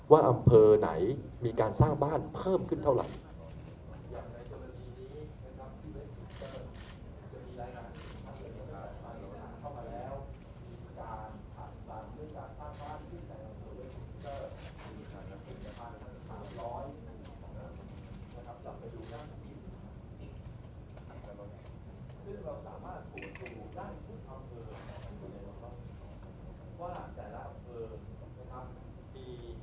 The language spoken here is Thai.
อำเภอไหนมีการสร้างบ้านเพิ่มขึ้นเท่าไหร่